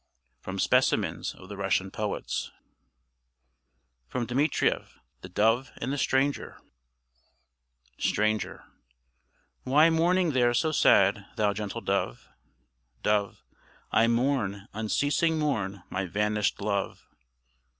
From 'Specimens of the Russian Poets.' FROM DMITRIEV THE DOVE AND THE STRANGER STRANGER Why mourning there so sad, thou gentle dove? DOVE I mourn, unceasing mourn, my vanished love.